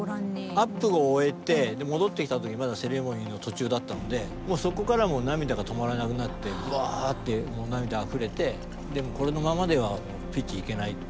アップを終えて戻ってきた時まだセレモニーの途中だったのでもうそこから涙が止まらなくなってバアーッて涙あふれてこのままではピッチ行けないと。